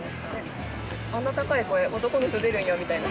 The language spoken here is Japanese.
あんな高い声、男の人出るんや、みたいな。